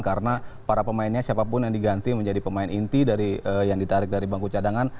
karena para pemainnya siapapun yang diganti menjadi pemain inti dari yang ditarik dari bangku cadangan